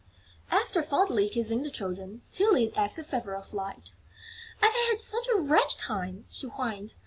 After fondly kissing the children, Tylette asked a favour of Light: "I have had such a wretched time," she whined.